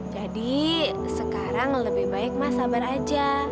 jadi sekarang lebih baik mas sabar aja